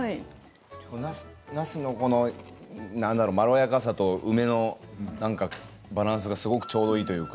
なすのまろやかさと梅のバランスがすごくちょうどいいというか。